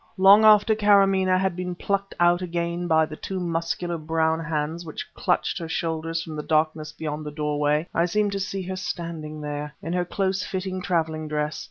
Long after Kâramaneh had been plucked out again by the two muscular brown hands which clutched her shoulders from the darkness beyond the doorway, I seemed to see her standing there, in her close fitting traveling dress.